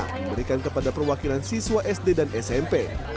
memberikan kepada perwakilan siswa sd dan smp